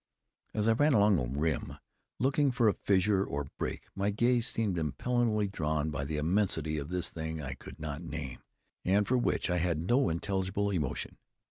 As I ran along the rim, looking for a fissure or break, my gaze seemed impellingly drawn by the immensity of this thing I could not name, and for which I had as yet no intelligible emotion.